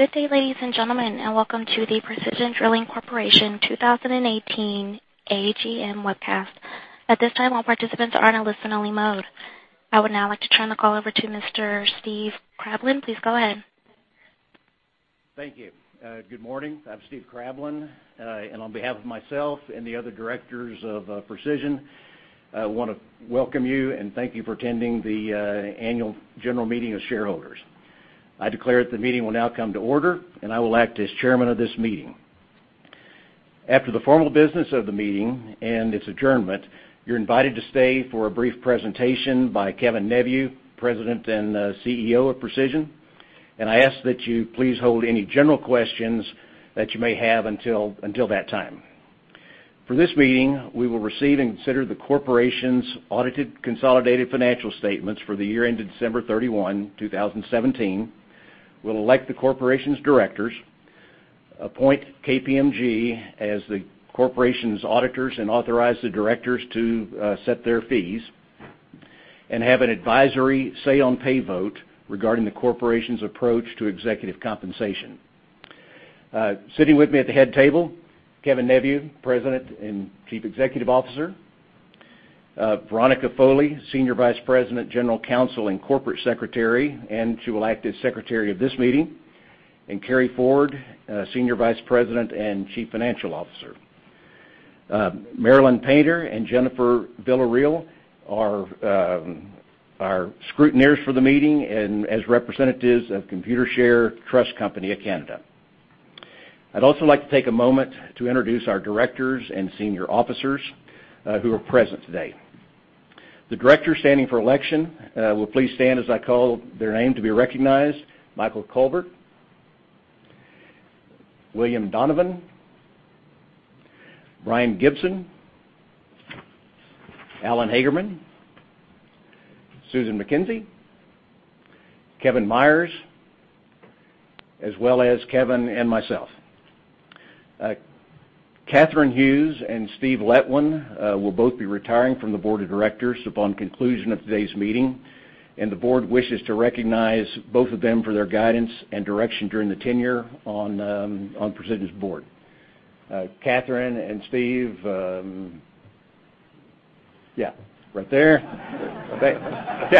Good day, ladies and gentlemen, welcome to the Precision Drilling Corporation 2018 AGM webcast. At this time, all participants are in listen-only mode. I would now like to turn the call over to Mr. Steven Krablin. Please go ahead. Thank you. Good morning. I'm Steven Krablin, on behalf of myself and the other directors of Precision, I want to welcome you. Thank you for attending the annual general meeting of shareholders. I declare that the meeting will now come to order, I will act as chairman of this meeting. After the formal business of the meeting and its adjournment, you're invited to stay for a brief presentation by Kevin Neveu, President and CEO of Precision. I ask that you please hold any general questions that you may have until that time. For this meeting, we will receive and consider the corporation's audited consolidated financial statements for the year ended December 31, 2017, we'll elect the corporation's directors, appoint KPMG as the corporation's auditors. Authorize the directors to set their fees. Have an advisory say-on-pay vote regarding the corporation's approach to executive compensation. Sitting with me at the head table, Kevin Neveu, President and Chief Executive Officer; Veronica Foley, Senior Vice President, General Counsel, and Corporate Secretary. She will act as secretary of this meeting. Carey Ford, Senior Vice President and Chief Financial Officer. Marilyn Painter and Jennifer Villareal are scrutineers for the meeting and as representatives of Computershare Trust Company of Canada. I'd also like to take a moment to introduce our directors and senior officers who are present today. The directors standing for election will please stand as I call their name to be recognized. Michael Culbert, William Donovan, Brian Gibson, Alan Hagerman, Susan McKenzie, Kevin Myers, as well as Kevin and myself. Catherine Hughes and Steve Letwin will both be retiring from the board of directors upon conclusion of today's meeting. The board wishes to recognize both of them for their guidance and direction during their tenure on Precision's board. Catherine and Steve, yeah, right there. Yeah.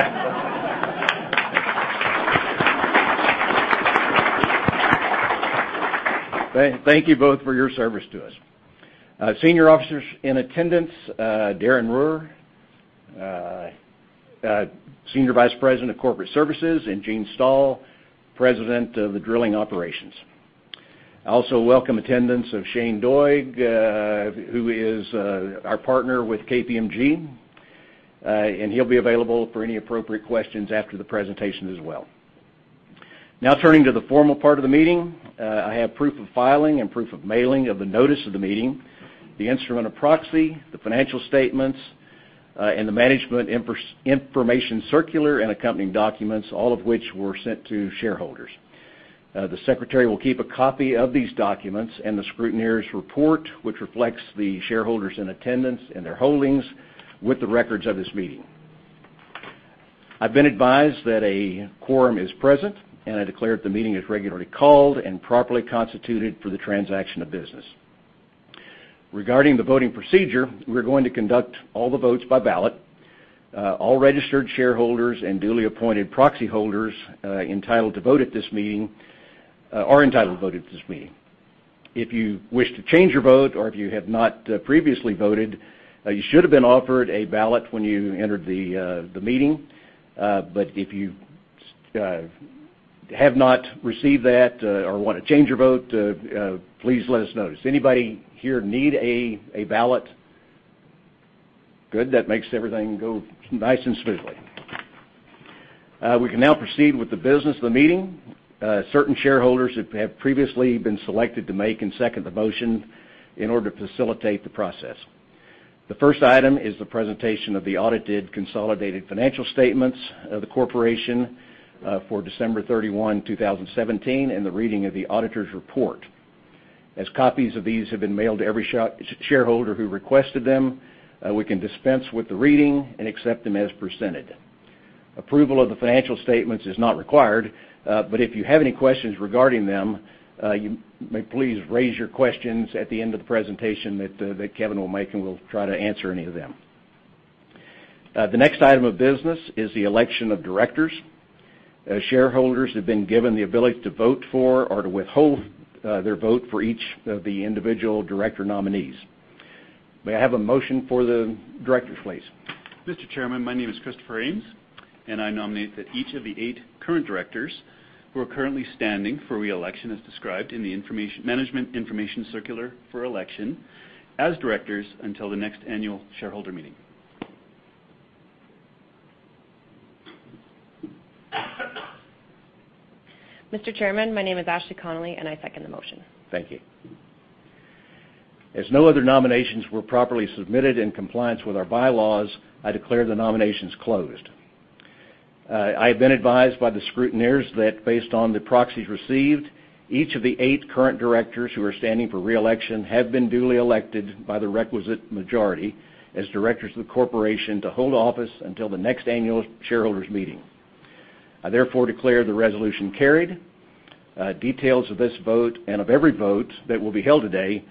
Thank you both for your service to us. Senior officers in attendance, Darren Ruhr, Senior Vice President of Corporate Services, Gene Stahl, President of the Drilling Operations. I also welcome attendance of Shane Doig, who is our partner with KPMG. He'll be available for any appropriate questions after the presentation as well. Turning to the formal part of the meeting. I have proof of filing. Proof of mailing of the notice of the meeting, the instrument of proxy, the financial statements, the management information circular and accompanying documents, all of which were sent to shareholders. The secretary will keep a copy of these documents and the scrutineer's report, which reflects the shareholders in attendance and their holdings with the records of this meeting. I've been advised that a quorum is present, and I declare that the meeting is regularly called and properly constituted for the transaction of business. Regarding the voting procedure, we're going to conduct all the votes by ballot. All registered shareholders and duly appointed proxy holders are entitled to vote at this meeting. If you wish to change your vote or if you have not previously voted, you should have been offered a ballot when you entered the meeting. If you have not received that or want to change your vote, please let us know. Does anybody here need a ballot? Good. That makes everything go nice and smoothly. We can now proceed with the business of the meeting. Certain shareholders have previously been selected to make and second the motion in order to facilitate the process. The first item is the presentation of the audited consolidated financial statements of the corporation for December 31, 2017, and the reading of the auditor's report. As copies of these have been mailed to every shareholder who requested them, we can dispense with the reading and accept them as presented. Approval of the financial statements is not required, but if you have any questions regarding them, you may please raise your questions at the end of the presentation that Kevin will make, and we'll try to answer any of them. The next item of business is the election of directors. Shareholders have been given the ability to vote for or to withhold their vote for each of the individual director nominees. May I have a motion for the directors, please? Mr. Chairman, my name is Christopher Ames. I nominate that each of the eight current directors who are currently standing for re-election as described in the management information circular for election as directors until the next annual shareholder meeting. Mr. Chairman, my name is Ashley Connolly. I second the motion. Thank you. As no other nominations were properly submitted in compliance with our bylaws, I declare the nominations closed. I have been advised by the scrutineers that based on the proxies received, each of the eight current directors who are standing for re-election have been duly elected by the requisite majority as directors of the corporation to hold office until the next annual shareholders meeting. I therefore declare the resolution carried. Details of this vote and of every vote that will be held today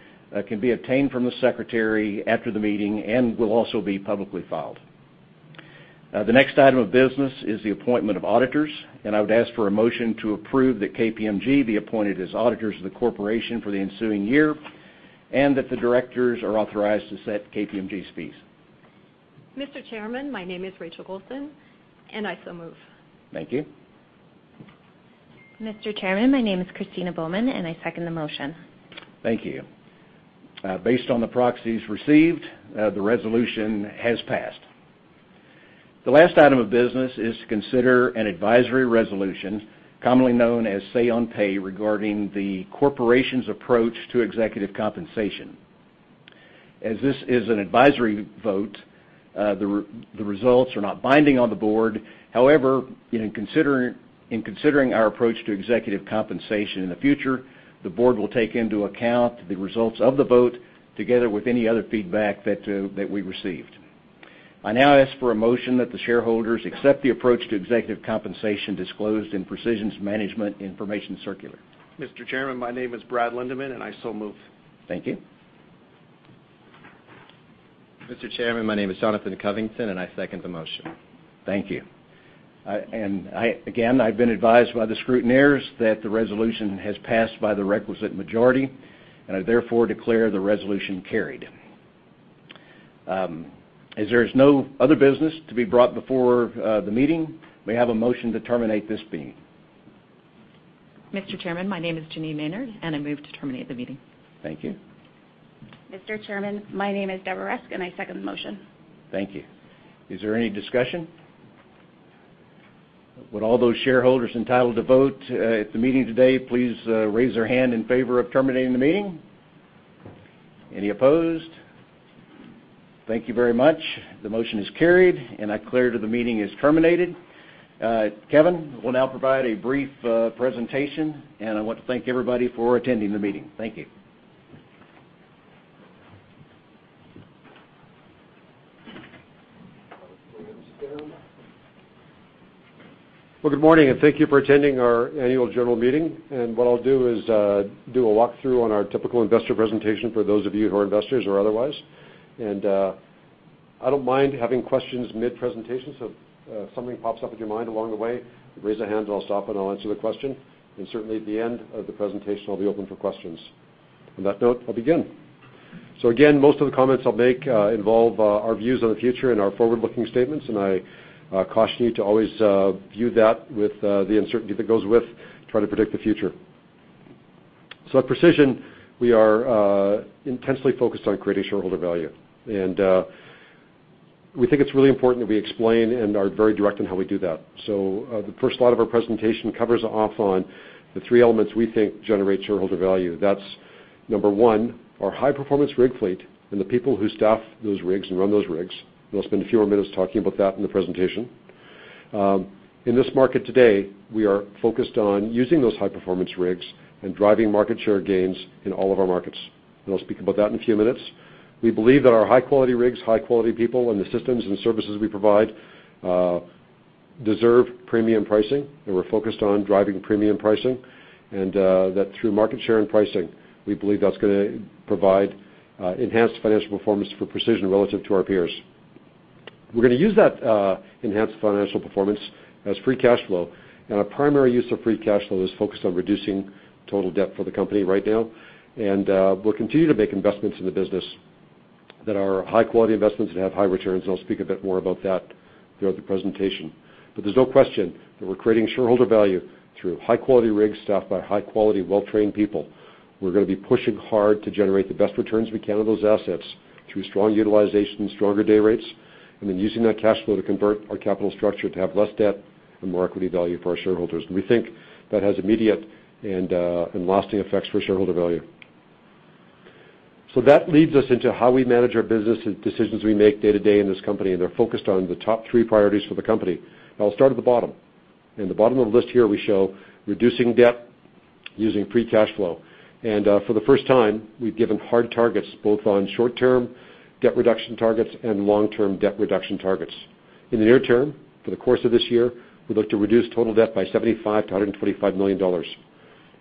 can be obtained from the secretary after the meeting and will also be publicly filed. The next item of business is the appointment of auditors, I would ask for a motion to approve that KPMG be appointed as auditors of the corporation for the ensuing year, and that the directors are authorized to set KPMG's fees. Mr. Chairman, my name is Rachel Golson, I so move. Thank you. Mr. Chairman, my name is Christina Bowman, I second the motion. Thank you. Based on the proxies received, the resolution has passed. The last item of business is to consider an advisory resolution, commonly known as say on pay, regarding the corporation's approach to executive compensation. As this is an advisory vote, the results are not binding on the board. In considering our approach to executive compensation in the future, the board will take into account the results of the vote together with any other feedback that we received. I now ask for a motion that the shareholders accept the approach to executive compensation disclosed in Precision's management information circular. Mr. Chairman, my name is Brad Lindeman. I so move. Thank you. Mr. Chairman, my name is Jonathan Covington. I second the motion. Thank you. Again, I've been advised by the scrutineers that the resolution has passed by the requisite majority, and I therefore declare the resolution carried. As there is no other business to be brought before the meeting, may I have a motion to terminate this meeting? Mr. Chairman, my name is Janine Maynard, and I move to terminate the meeting. Thank you. Mr. Chairman, my name is Deborah Esk, and I second the motion. Thank you. Is there any discussion? Would all those shareholders entitled to vote at the meeting today please raise their hand in favor of terminating the meeting? Any opposed? Thank you very much. The motion is carried, and I declare that the meeting is terminated. Kevin will now provide a brief presentation, and I want to thank everybody for attending the meeting. Thank you. Good morning, and thank you for attending our annual general meeting. What I'll do is do a walkthrough on our typical investor presentation for those of you who are investors or otherwise. I don't mind having questions mid-presentation, so if something pops up in your mind along the way, raise your hand, and I'll stop, and I'll answer the question. Certainly, at the end of the presentation, I'll be open for questions. On that note, I'll begin. Again, most of the comments I'll make involve our views on the future and our forward-looking statements, and I caution you to always view that with the uncertainty that goes with trying to predict the future. At Precision, we are intensely focused on creating shareholder value. We think it's really important that we explain and are very direct in how we do that. The first lot of our presentation covers off on the three elements we think generate shareholder value. That is number one, our high-performance rig fleet and the people who staff those rigs and run those rigs, and I will spend a few more minutes talking about that in the presentation. In this market today, we are focused on using those high-performance rigs and driving market share gains in all of our markets, and I will speak about that in a few minutes. We believe that our high-quality rigs, high-quality people, and the systems and services we provide deserve premium pricing, and we are focused on driving premium pricing. That through market share and pricing, we believe that is gonna provide enhanced financial performance for Precision relative to our peers. We are gonna use that enhanced financial performance as free cash flow, and our primary use of free cash flow is focused on reducing total debt for the company right now. We will continue to make investments in the business that are high-quality investments and have high returns, and I will speak a bit more about that throughout the presentation. There is no question that we are creating shareholder value through high-quality rigs staffed by high-quality, well-trained people. We are gonna be pushing hard to generate the best returns we can on those assets through strong utilization and stronger day rates, and then using that cash flow to convert our capital structure to have less debt and more equity value for our shareholders. We think that has immediate and lasting effects for shareholder value. That leads us into how we manage our business and decisions we make day to day in this company, and they are focused on the top three priorities for the company. I will start at the bottom. In the bottom of the list here, we show reducing debt using free cash flow. For the first time, we have given hard targets both on short-term debt reduction targets and long-term debt reduction targets. In the near term, for the course of this year, we look to reduce total debt by 75 million-125 million dollars.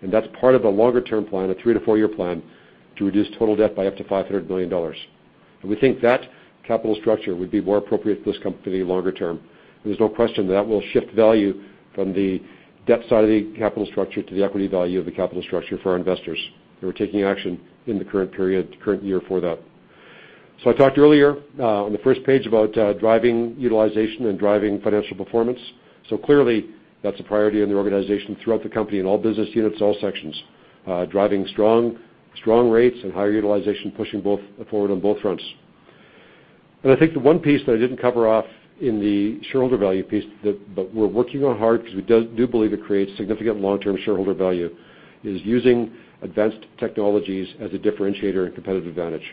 That is part of a longer-term plan, a three-to-four-year plan, to reduce total debt by up to 500 million dollars. We think that capital structure would be more appropriate for this company longer term. There is no question that will shift value from the debt side of the capital structure to the equity value of the capital structure for our investors, who are taking action in the current period, current year for that. I talked earlier on the first page about driving utilization and driving financial performance. Clearly, that is a priority in the organization throughout the company in all business units, all sections. Driving strong rates and higher utilization, pushing forward on both fronts. I think the one piece that I did not cover off in the shareholder value piece that we are working on hard because we do believe it creates significant long-term shareholder value, is using advanced technologies as a differentiator and competitive advantage.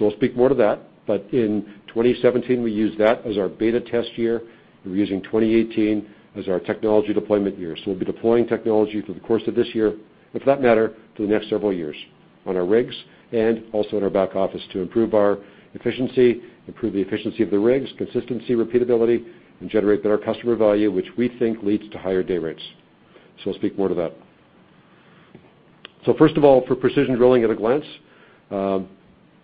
I will speak more to that, but in 2017, we used that as our beta test year. We are using 2018 as our technology deployment year. We'll be deploying technology through the course of this year, and for that matter, through the next several years. On our rigs, and also in our back office to improve our efficiency, improve the efficiency of the rigs, consistency, repeatability, and generate better customer value, which we think leads to higher day rates. I'll speak more to that. First of all, for Precision Drilling at a glance,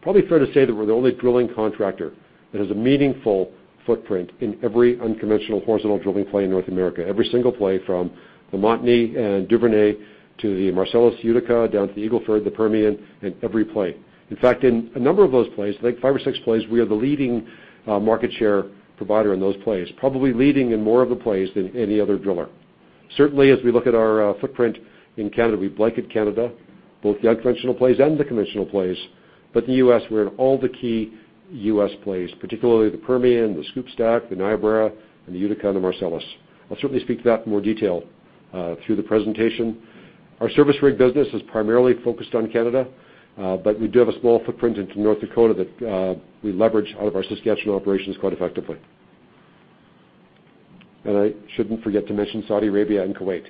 probably fair to say that we're the only drilling contractor that has a meaningful footprint in every unconventional horizontal drilling play in North America. Every single play from the Montney and Duvernay, to the Marcellus Utica, down to the Eagle Ford, the Permian, and every play. In fact, in a number of those plays, I think five or six plays, we are the leading market share provider in those plays, probably leading in more of the plays than any other driller. Certainly, as we look at our footprint in Canada, we blanket Canada, both the unconventional plays and the conventional plays. In the U.S., we're in all the key U.S. plays, particularly the Permian, the SCOOP/STACK, the Niobrara, and the Utica, and the Marcellus. I'll certainly speak to that in more detail through the presentation. Our service rig business is primarily focused on Canada, but we do have a small footprint into North Dakota that we leverage out of our Saskatchewan operations quite effectively. I shouldn't forget to mention Saudi Arabia and Kuwait.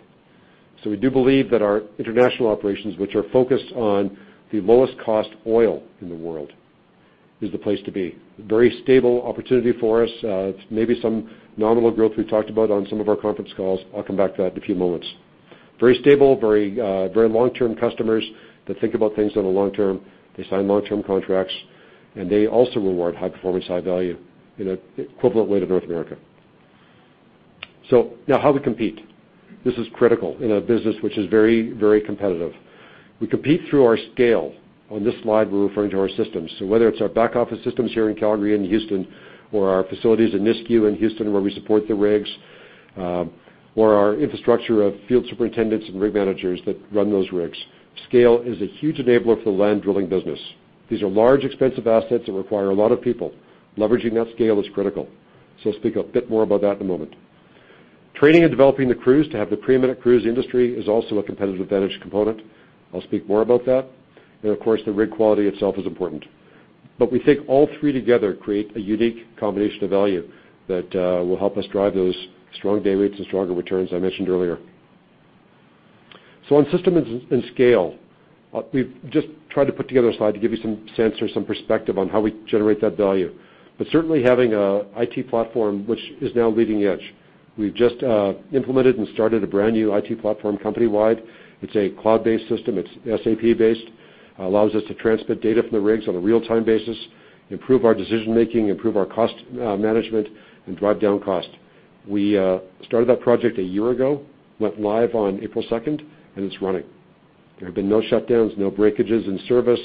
We do believe that our international operations, which are focused on the lowest cost oil in the world, is the place to be. Very stable opportunity for us. It's maybe some nominal growth we've talked about on some of our conference calls. I'll come back to that in a few moments. Very stable, very long-term customers that think about things on a long term. They sign long-term contracts, they also reward high performance, high value in an equivalent way to North America. Now, how we compete. This is critical in a business which is very competitive. We compete through our scale. On this slide, we're referring to our systems. Whether it's our back office systems here in Calgary and Houston, or our facilities in Nisku and Houston where we support the rigs, or our infrastructure of field superintendents and rig managers that run those rigs, scale is a huge enabler for the land drilling business. These are large, expensive assets that require a lot of people. Leveraging that scale is critical. I'll speak a bit more about that in a moment. Training and developing the crews to have the premier crews in the industry is also a competitive advantage component. I'll speak more about that. Of course, the rig quality itself is important. We think all three together create a unique combination of value that will help us drive those strong day rates and stronger returns I mentioned earlier. On systems and scale, we've just tried to put together a slide to give you some sense or some perspective on how we generate that value. Certainly having a IT platform which is now leading edge. We've just implemented and started a brand new IT platform company-wide. It's a cloud-based system. It's SAP based. Allows us to transmit data from the rigs on a real-time basis, improve our decision-making, improve our cost management, and drive down cost. We started that project a year ago, went live on April 2nd, and it's running. There have been no shutdowns, no breakages in service.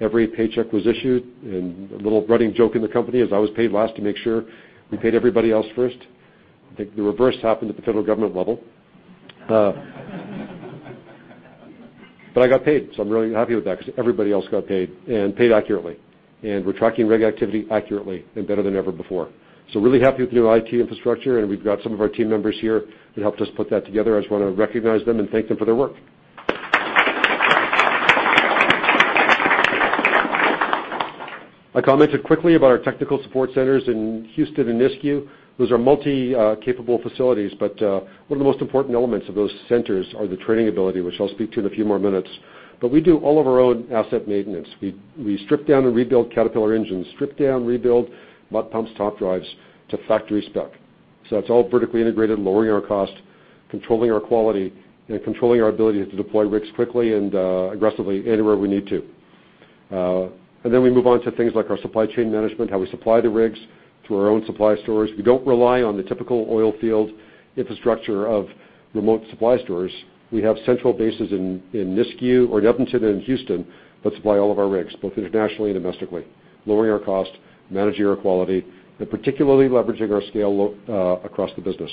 Every paycheck was issued. A little running joke in the company is I was paid last to make sure we paid everybody else first. I think the reverse happened at the federal government level. I got paid, so I'm really happy with that because everybody else got paid, and paid accurately. We're tracking rig activity accurately and better than ever before. Really happy with the new IT infrastructure, and we've got some of our team members here that helped us put that together. I just want to recognize them and thank them for their work. I commented quickly about our technical support centers in Houston and Nisku. Those are multi-capable facilities, but one of the most important elements of those centers are the training ability, which I'll speak to in a few more minutes. We do all of our own asset maintenance. We strip down and rebuild Caterpillar engines, strip down, rebuild mud pumps, top drives to factory spec. That's all vertically integrated, lowering our cost, controlling our quality, and controlling our ability to deploy rigs quickly and aggressively anywhere we need to. We move on to things like our supply chain management, how we supply the rigs through our own supply stores. We don't rely on the typical oil field infrastructure of remote supply stores. We have central bases in Nisku or Edmonton and Houston that supply all of our rigs, both internationally and domestically, lowering our cost, managing our quality, and particularly leveraging our scale across the business.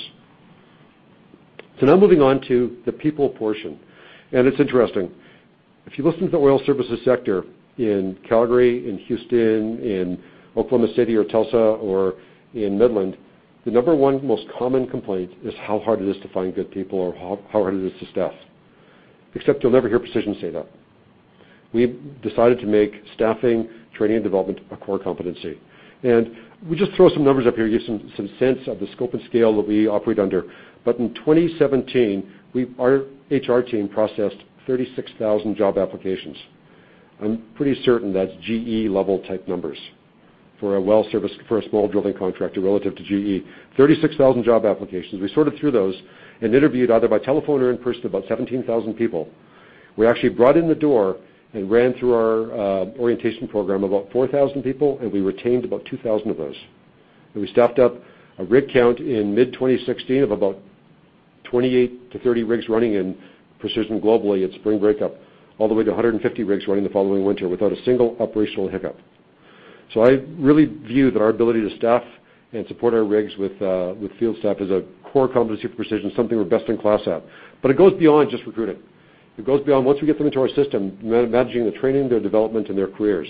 Now moving on to the people portion. It's interesting. If you listen to the oil services sector in Calgary, in Houston, in Oklahoma City or Tulsa, or in Midland, the number one most common complaint is how hard it is to find good people or how hard it is to staff. Except you'll never hear Precision say that. We've decided to make staffing, training, and development a core competency. We'll just throw some numbers up here, give some sense of the scope and scale that we operate under. In 2017, our HR team processed 36,000 job applications. I'm pretty certain that's GE level type numbers for a well service for a small drilling contractor relative to GE. 36,000 job applications. We sorted through those and interviewed either by telephone or in person, about 17,000 people. We actually brought in the door and ran through our orientation program about 4,000 people, and we retained about 2,000 of those. We staffed up a rig count in mid-2016 of about 28 to 30 rigs running in Precision globally at spring breakup, all the way to 150 rigs running the following winter without a single operational hiccup. I really view that our ability to staff and support our rigs with field staff is a core competency for Precision, something we're best in class at. It goes beyond just recruiting. It goes beyond once we get them into our system, managing the training, their development, and their careers.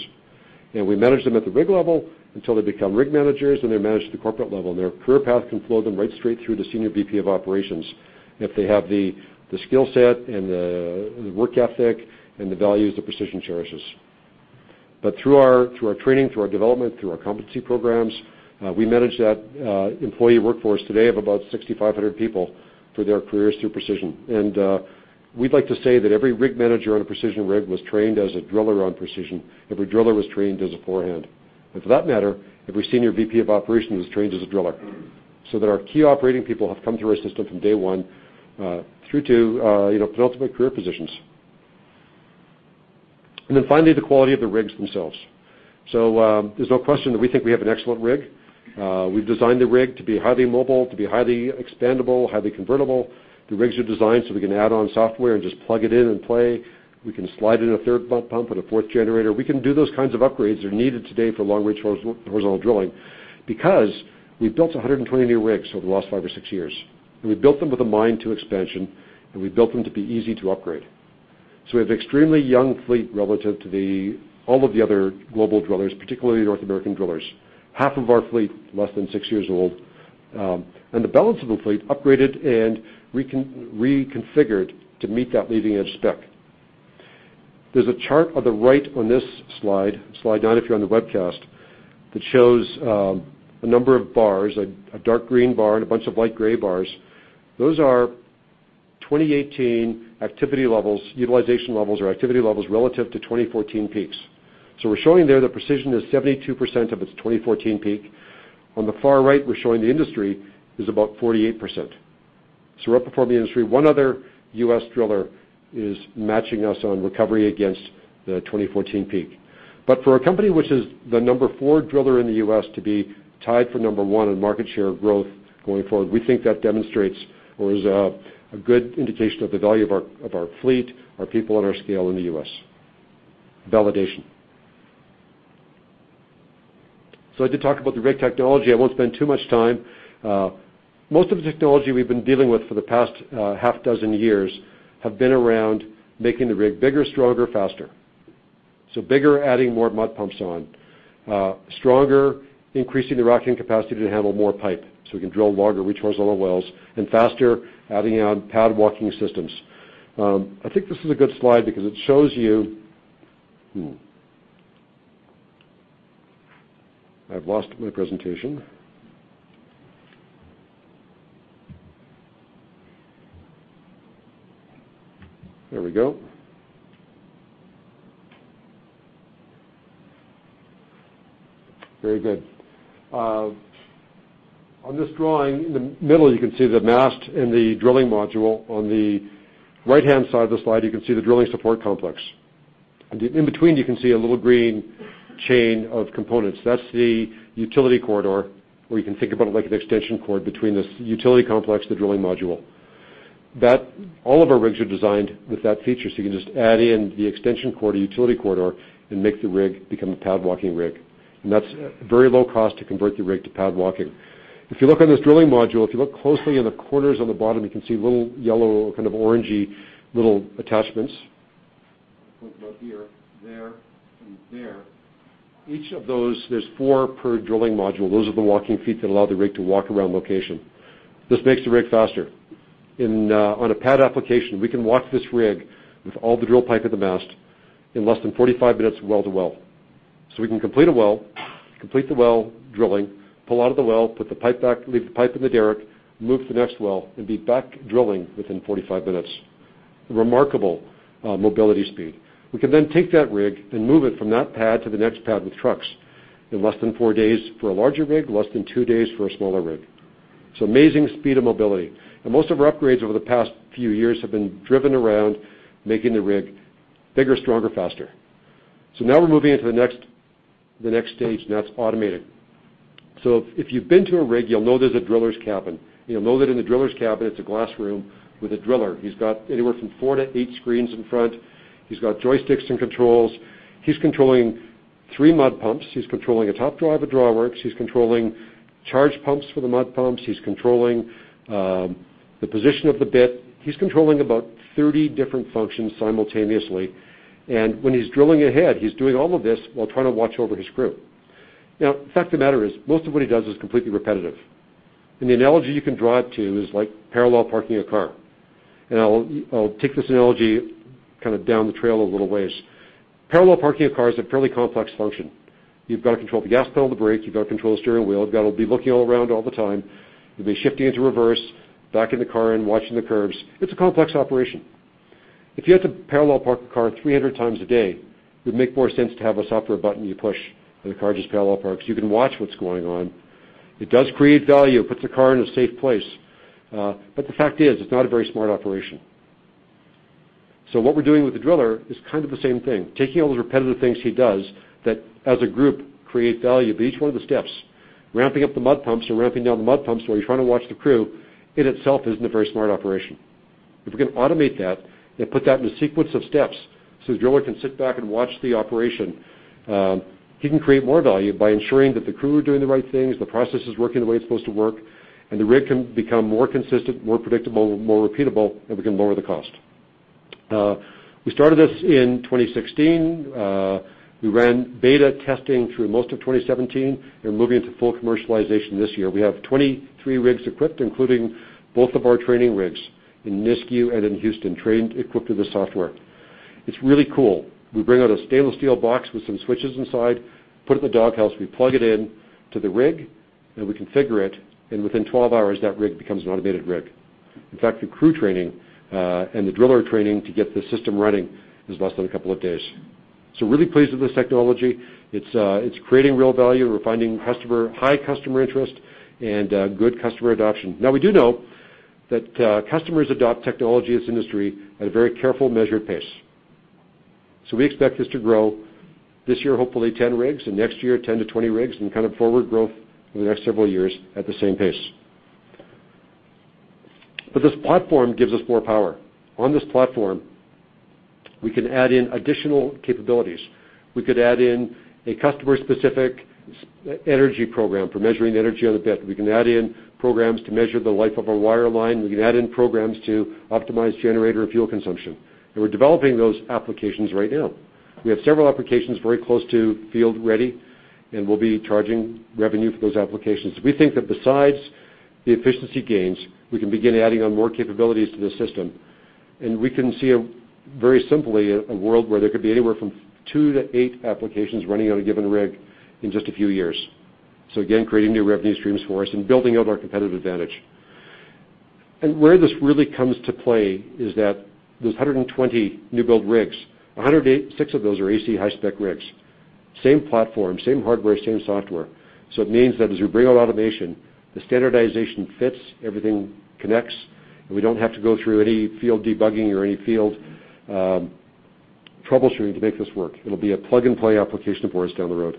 We manage them at the rig level until they become rig managers, and they're managed at the corporate level. Their career path can flow them right straight through to Senior Vice President of Operations if they have the skill set, the work ethic, and the values that Precision cherishes. Through our training, through our development, through our competency programs, we manage that employee workforce today of about 6,500 people through their careers through Precision. We'd like to say that every rig manager on a Precision rig was trained as a driller on Precision. Every driller was trained as a derrickhand. For that matter, every Senior Vice President of Operations was trained as a driller. That our key operating people have come through our system from day one through to penultimate career positions. Finally, the quality of the rigs themselves. There's no question that we think we have an excellent rig. We've designed the rig to be highly mobile, to be highly expandable, highly convertible. The rigs are designed so we can add on software and just plug it in and play. We can slide in a third pump and a fourth generator. We can do those kinds of upgrades that are needed today for long reach horizontal drilling because we've built 120 new rigs over the last five or six years. We built them with a mind to expansion, and we built them to be easy to upgrade. We have extremely young fleet relative to all of the other global drillers, particularly North American drillers. Half of our fleet, less than six years old. The balance of the fleet upgraded and reconfigured to meet that leading-edge spec. There's a chart on the right on this slide nine if you're on the webcast, that shows a number of bars, a dark green bar, and a bunch of light gray bars. Those are 2018 activity levels, utilization levels or activity levels relative to 2014 peaks. We're showing there that Precision is 72% of its 2014 peak. On the far right, we're showing the industry is about 48%. We out-performed the industry. One other U.S. driller is matching us on recovery against the 2014 peak. For a company which is the number 4 driller in the U.S. to be tied for number 1 in market share growth going forward, we think that demonstrates or is a good indication of the value of our fleet, our people, and our scale in the U.S. Validation. I did talk about the rig technology. I won't spend too much time. Most of the technology we've been dealing with for the past half dozen years have been around making the rig bigger, stronger, faster. Bigger, adding more mud pumps on. Stronger, increasing the racking capacity to handle more pipe, so we can drill longer reach horizontal wells. Faster, adding on pad walking systems. I think this is a good slide because it shows you I've lost my presentation. There we go. Very good. On this drawing in the middle, you can see the mast in the drilling module. On the right-hand side of the slide, you can see the drilling support complex. In between, you can see a little green chain of components. That's the utility corridor, where you can think about it like an extension cord between this utility complex, the drilling module. All of our rigs are designed with that feature, so you can just add in the extension cord or utility corridor and make the rig become a pad walking rig. That's very low cost to convert the rig to pad walking. If you look on this drilling module, if you look closely in the corners on the bottom, you can see little yellow kind of orangey little attachments. I'll point them out here, there, and there. Each of those, there's four per drilling module. Those are the walking feet that allow the rig to walk around location. This makes the rig faster. On a pad application, we can walk this rig with all the drill pipe in the mast in less than 45 minutes well to well. We can complete a well, complete the well drilling, pull out of the well, leave the pipe in the derrick, move to the next well, and be back drilling within 45 minutes. Remarkable mobility speed. We can take that rig and move it from that pad to the next pad with trucks in less than four days for a larger rig, less than two days for a smaller rig. Amazing speed of mobility. Most of our upgrades over the past few years have been driven around making the rig bigger, stronger, faster. Now we're moving into the next stage, and that's automated. If you've been to a rig, you'll know there's a driller's cabin. You'll know that in the driller's cabin, it's a glass room with a driller. He's got anywhere from four to eight screens in front. He's got joysticks and controls. He's controlling three mud pumps. He's controlling a top drive, a drawworks. He's controlling charge pumps for the mud pumps. He's controlling the position of the bit. He's controlling about 30 different functions simultaneously. When he's drilling ahead, he's doing all of this while trying to watch over his crew. Fact of the matter is, most of what he does is completely repetitive. The analogy you can draw it to is like parallel parking a car. I'll take this analogy down the trail a little ways. Parallel parking a car is a fairly complex function. You've got to control the gas pedal, the brake. You've got to control the steering wheel. You've got to be looking all around all the time. You'll be shifting into reverse, backing the car in, watching the curves. It's a complex operation. If you had to parallel park a car 300 times a day, it would make more sense to have a software button you push, and the car just parallel parks. You can watch what's going on. It does create value. It puts the car in a safe place. The fact is, it's not a very smart operation. What we're doing with the driller is kind of the same thing. Taking all those repetitive things he does that as a group create value, but each one of the steps, ramping up the mud pumps or ramping down the mud pumps while you're trying to watch the crew, in itself isn't a very smart operation. If we can automate that and put that in a sequence of steps so the driller can sit back and watch the operation, he can create more value by ensuring that the crew are doing the right things, the process is working the way it's supposed to work, and the rig can become more consistent, more predictable, more repeatable, and we can lower the cost. We started this in 2016. We ran beta testing through most of 2017 and are moving into full commercialization this year. We have 23 rigs equipped, including both of our training rigs in Nisku and in Houston, trained, equipped with the software. It's really cool. We bring out a stainless steel box with some switches inside, put it in the dog house. We plug it in to the rig, and we configure it, and within 12 hours, that rig becomes an automated rig. In fact, the crew training and the driller training to get the system running is less than a couple of days. Really pleased with this technology. It's creating real value. We're finding high customer interest and good customer adoption. We do know that customers adopt technology in this industry at a very careful, measured pace. We expect this to grow this year, hopefully 10 rigs, and next year, 10-20 rigs, and forward growth over the next several years at the same pace. This platform gives us more power. On this platform, we can add in additional capabilities. We could add in a customer-specific energy program for measuring the energy on the bit. We can add in programs to measure the life of a wireline. We can add in programs to optimize generator and fuel consumption. We're developing those applications right now. We have several applications very close to field ready, and we'll be charging revenue for those applications. We think that besides the efficiency gains, we can begin adding on more capabilities to the system, and we can see very simply a world where there could be anywhere from two to eight applications running on a given rig in just a few years. Again, creating new revenue streams for us and building out our competitive advantage. Where this really comes to play is that those 120 new build rigs, 106 of those are AC high-spec rigs. Same platform, same hardware, same software. It means that as we bring out automation, the standardization fits, everything connects, and we don't have to go through any field debugging or any field troubleshooting to make this work. It'll be a plug-and-play application for us down the road.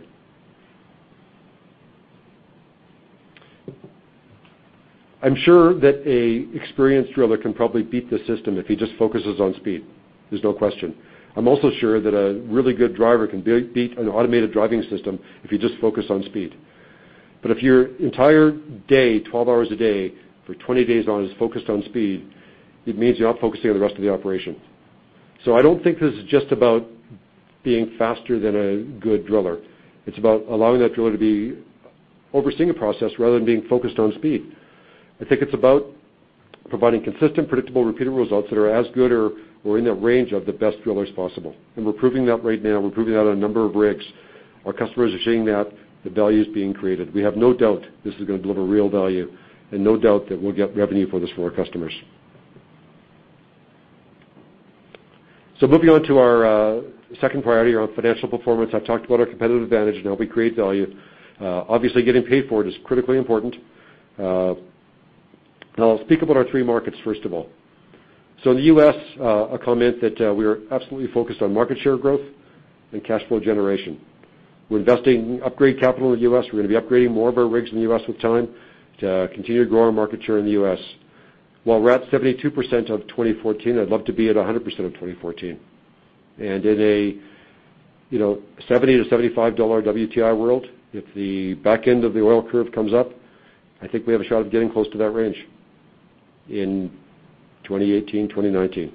I'm sure that an experienced driller can probably beat the system if he just focuses on speed. There's no question. I'm also sure that a really good driver can beat an automated driving system if you just focus on speed. If your entire day, 12 hours a day for 20 days on, is focused on speed, it means you're not focusing on the rest of the operation. I don't think this is just about being faster than a good driller. It's about allowing that driller to be overseeing a process rather than being focused on speed. I think it's about providing consistent, predictable, repeatable results that are as good or in the range of the best drillers possible. We're proving that right now. We're proving that on a number of rigs. Our customers are seeing that the value is being created. We have no doubt this is going to deliver real value and no doubt that we'll get revenue for this for our customers. Moving on to our second priority around financial performance. I've talked about our competitive advantage and how we create value. Obviously, getting paid for it is critically important. I'll speak about our three markets, first of all. In the U.S., I'll comment that we are absolutely focused on market share growth and cash flow generation. We're investing upgrade capital in the U.S. We're going to be upgrading more of our rigs in the U.S. with time to continue to grow our market share in the U.S. While we're at 72% of 2014, I'd love to be at 100% of 2014. In a $70-$75 WTI world, if the back end of the oil curve comes up, I think we have a shot of getting close to that range in 2018, 2019.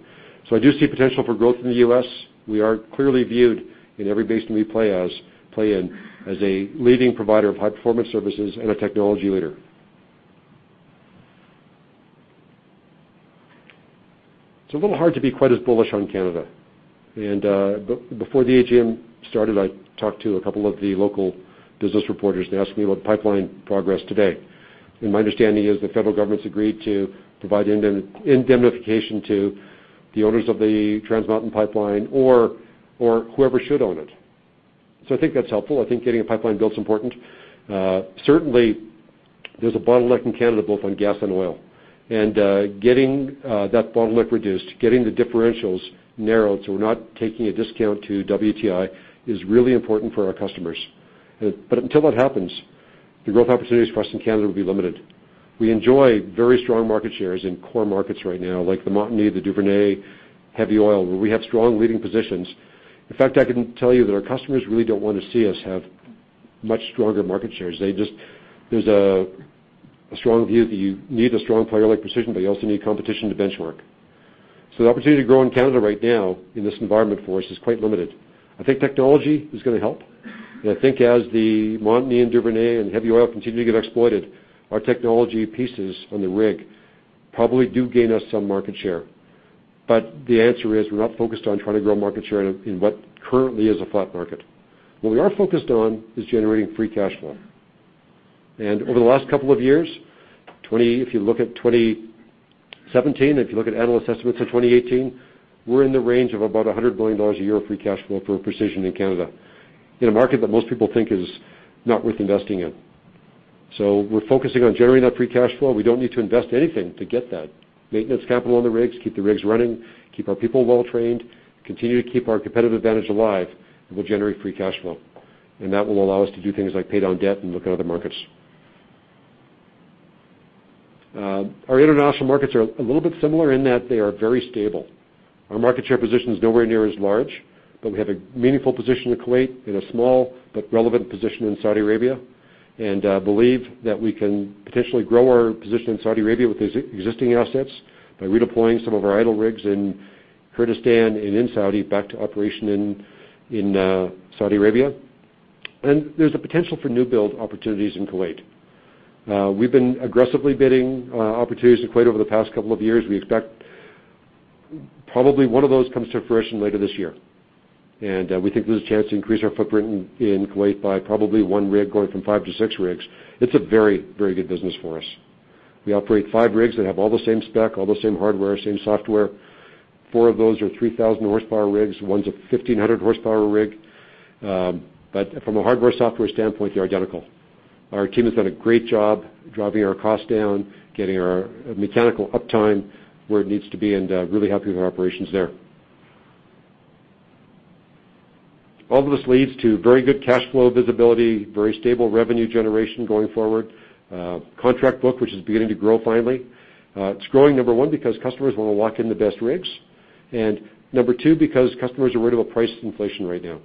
I do see potential for growth in the U.S. We are clearly viewed in every basin we play in as a leading provider of high-performance services and a technology leader. It's a little hard to be quite as bullish on Canada. Before the AGM started, I talked to a couple of the local business reporters. They asked me about pipeline progress today. My understanding is the federal government's agreed to provide indemnification to the owners of the Trans Mountain Pipeline or whoever should own it. I think that's helpful. I think getting a pipeline built is important. Certainly, there's a bottleneck in Canada, both on gas and oil. Getting that bottleneck reduced, getting the differentials narrowed so we're not taking a discount to WTI is really important for our customers. Until that happens, the growth opportunities for us in Canada will be limited. We enjoy very strong market shares in core markets right now, like the Montney, the Duvernay, heavy oil, where we have strong leading positions. In fact, I can tell you that our customers really don't want to see us have much stronger market shares. There's a strong view that you need a strong player like Precision, but you also need competition to benchmark. The opportunity to grow in Canada right now in this environment for us is quite limited. I think technology is going to help. I think as the Montney and Duvernay and heavy oil continue to get exploited, our technology pieces on the rig probably do gain us some market share. The answer is we're not focused on trying to grow market share in what currently is a flat market. What we are focused on is generating free cash flow. Over the last couple of years, if you look at 2017, if you look at analyst estimates for 2018, we're in the range of about 100 million dollars a year of free cash flow for Precision in Canada in a market that most people think is not worth investing in. We're focusing on generating that free cash flow. We don't need to invest anything to get that. Maintenance capital on the rigs, keep the rigs running, keep our people well-trained, continue to keep our competitive advantage alive, we'll generate free cash flow. That will allow us to do things like pay down debt and look at other markets. Our international markets are a little bit similar in that they are very stable. Our market share position is nowhere near as large, but we have a meaningful position in Kuwait and a small but relevant position in Saudi Arabia, and believe that we can potentially grow our position in Saudi Arabia with existing assets by redeploying some of our idle rigs in Kurdistan and in Saudi back to operation in Saudi Arabia. There's a potential for new build opportunities in Kuwait. We've been aggressively bidding on opportunities in Kuwait over the past couple of years. We expect probably one of those comes to fruition later this year. We think there's a chance to increase our footprint in Kuwait by probably one rig, going from five to six rigs. It's a very good business for us. We operate five rigs that have all the same spec, all the same hardware, same software. Four of those are 3,000 horsepower rigs, one's a 1,500 horsepower rig. From a hardware software standpoint, they're identical. Our team has done a great job driving our cost down, getting our mechanical uptime where it needs to be, and really happy with our operations there. All of this leads to very good cash flow visibility, very stable revenue generation going forward. Contract book, which is beginning to grow finally. It's growing, number one, because customers want to lock in the best rigs, and number two, because customers are worried about price inflation right now.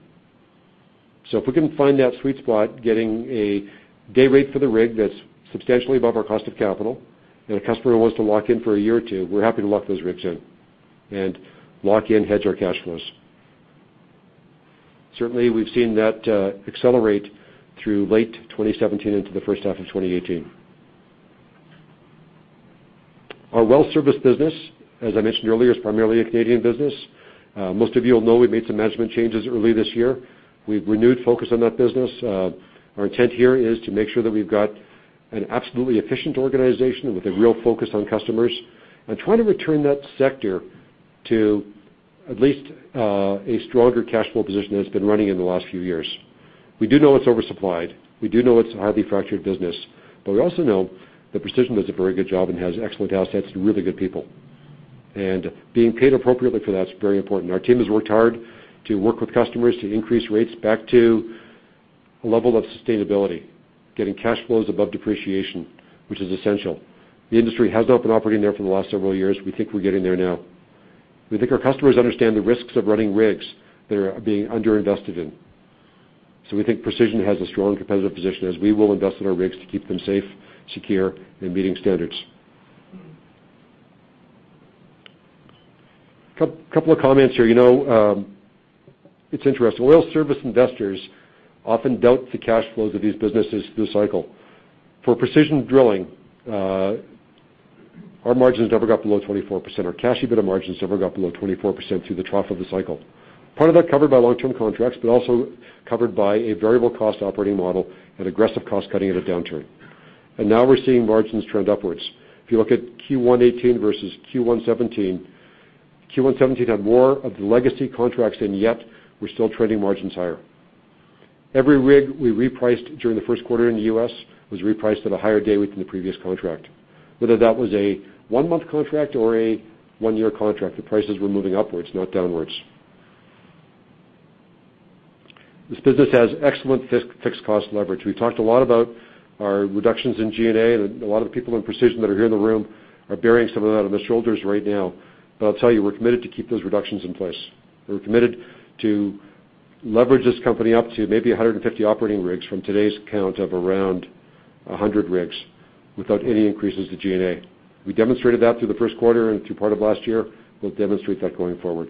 If we can find that sweet spot, getting a day rate for the rig that's substantially above our cost of capital, and a customer wants to lock in for a year or two, we're happy to lock those rigs in and lock in hedge our cash flows. Certainly, we've seen that accelerate through late 2017 into the first half of 2018. Our well service business, as I mentioned earlier, is primarily a Canadian business. Most of you will know we made some management changes early this year. We've renewed focus on that business. Our intent here is to make sure that we've got an absolutely efficient organization with a real focus on customers and try to return that sector to at least a stronger cash flow position than it's been running in the last few years. We do know it's oversupplied. We do know it's a highly fractured business. We also know that Precision does a very good job and has excellent assets and really good people. Being paid appropriately for that is very important. Our team has worked hard to work with customers to increase rates back to a level of sustainability, getting cash flows above depreciation, which is essential. The industry has not been operating there for the last several years. We think we're getting there now. We think our customers understand the risks of running rigs that are being under-invested in. We think Precision has a strong competitive position as we will invest in our rigs to keep them safe, secure, and meeting standards. Couple of comments here. It's interesting. Oil service investors often doubt the cash flows of these businesses through the cycle. For Precision Drilling, our margins never got below 24%. Our cash EBITDA margins never got below 24% through the trough of the cycle. Part of that covered by long-term contracts, but also covered by a variable cost operating model and aggressive cost-cutting at a downturn. Now we're seeing margins trend upwards. If you look at Q1 2018 versus Q1 2017, Q1 2017 had more of the legacy contracts, yet we're still trending margins higher. Every rig we repriced during the first quarter in the U.S. was repriced at a higher day rate than the previous contract. Whether that was a one-month contract or a one-year contract, the prices were moving upwards, not downwards. This business has excellent fixed cost leverage. We talked a lot about our reductions in G&A, and a lot of the people in Precision that are here in the room are bearing some of that on their shoulders right now. I'll tell you, we're committed to keep those reductions in place. We're committed to leverage this company up to maybe 150 operating rigs from today's count of around 100 rigs without any increases to G&A. We demonstrated that through the first quarter and through part of last year. We'll demonstrate that going forward.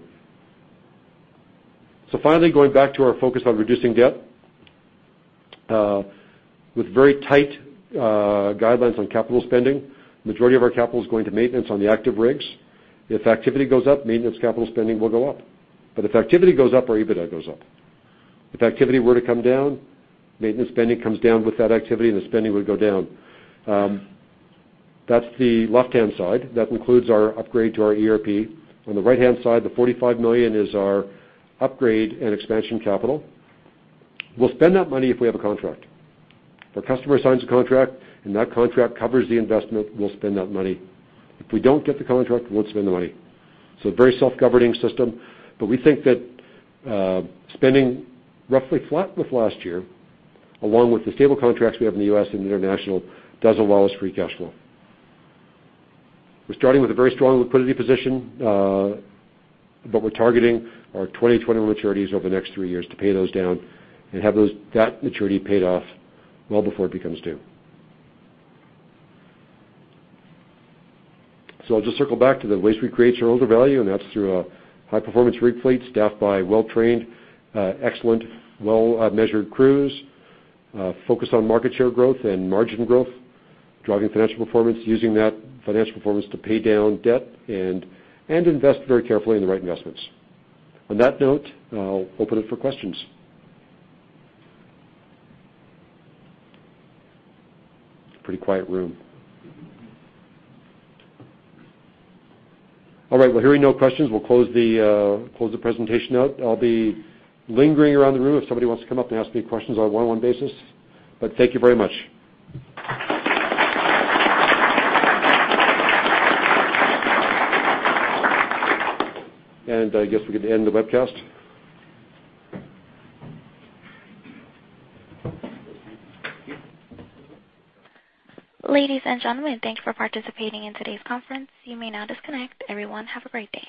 Finally, going back to our focus on reducing debt. With very tight guidelines on capital spending, majority of our capital is going to maintenance on the active rigs. If activity goes up, maintenance capital spending will go up. If activity goes up, our EBITDA goes up. If activity were to come down, maintenance spending comes down with that activity, and the spending would go down. That's the left-hand side. That includes our upgrade to our ERP. On the right-hand side, the 45 million is our upgrade and expansion capital. We'll spend that money if we have a contract. If a customer signs a contract and that contract covers the investment, we'll spend that money. If we don't get the contract, we won't spend the money. A very self-governing system. We think that spending roughly flat with last year, along with the stable contracts we have in the U.S. and international, does allow us free cash flow. We're starting with a very strong liquidity position, but we're targeting our 2021 maturities over the next three years to pay those down and have that maturity paid off well before it becomes due. I'll just circle back to the ways we create shareholder value, and that's through a high-performance rig fleet staffed by well-trained, excellent, well-measured crews. Focus on market share growth and margin growth, driving financial performance, using that financial performance to pay down debt and invest very carefully in the right investments. On that note, I'll open it for questions. It's a pretty quiet room. All right. Well, hearing no questions, we'll close the presentation out. I'll be lingering around the room if somebody wants to come up and ask me questions on a one-on-one basis. But thank you very much. I guess we could end the webcast. Ladies and gentlemen, thank you for participating in today's conference. You may now disconnect. Everyone, have a great day.